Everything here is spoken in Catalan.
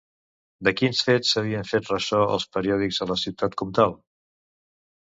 De quins fets s'havien fet ressò els periòdics a la Ciutat Comtal?